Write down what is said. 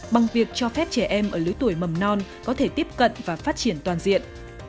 bằng việc cho phép trẻ em ở lứa tuổi mầm non có thể tiếp cận và phát triển toàn diện